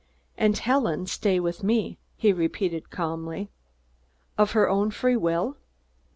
"And Helen stay with me," he repeated calmly. "Of her own free will?"